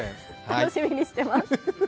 楽しみにしています。